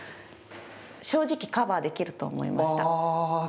正直、カバーできると思いました。